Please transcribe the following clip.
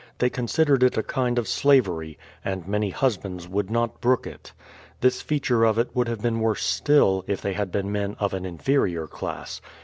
they considered it a kind of slavery, and many husbands would not brook it. This feature of it would have been worse still, if they had been men of an inferior class.